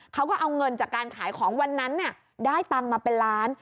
เขาก็เอาเงินจากการขายของวันนั้นได้ตังค์มาเป็นล้าน